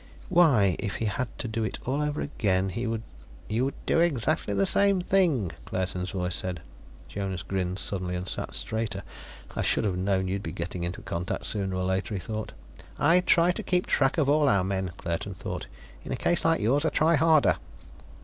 Why, if he had it to do over again, he would "You would do exactly the same thing," Claerten's voice said. Jonas grinned suddenly, and sat straighter. "I should have known you'd be getting into contact sooner or later," he thought. "I try to keep track of all our men," Claerten thought. "In a case like yours, I try harder."